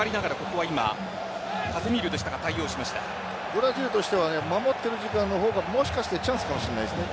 ブラジルとしては守っている時間の方がもしかしたらチャンスかもしれないですね。